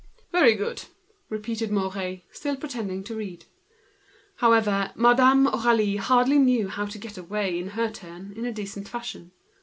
"Very good!" repeated Mouret, still affecting to read. However, Madame Aurélie hardly knew how to get away in her turn in a decent fashion.